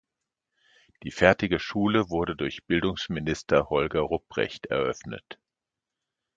Die fertige Schule wurde durch Bildungsminister Holger Rupprecht eröffnet.